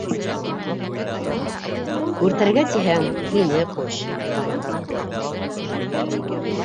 Үртәргә тиһәң, һине ҡуш...